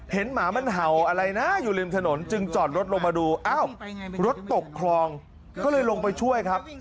หมามันเห่าอะไรนะอยู่ริมถนนจึงจอดรถลงมาดูอ้าวรถตกคลองก็เลยลงไปช่วยครับ